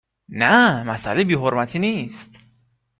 نه مسئله بی حرمتی نیست